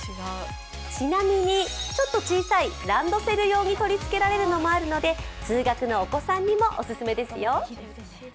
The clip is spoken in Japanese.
ちなみに、ちょっと小さいランドセル用に取り付けられるものもあるので通学のお子さんにもお勧めですよ。